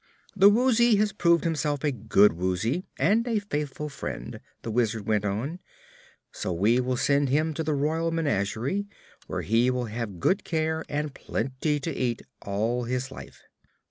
"The Woozy has proved himself a good Woozy and a faithful friend," the Wizard went on, "so we will send him to the Royal Menagerie, where he will have good care and plenty to eat all his life."